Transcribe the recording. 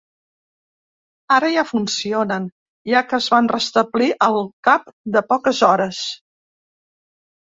Ara ja funcionen, ja que es van restablir al cap de poques hores.